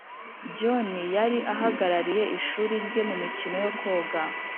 john yari ahagarariye ishuri rye mumikino yo koga